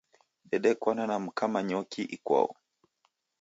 Dedekwana na mka Manyoki ikwau.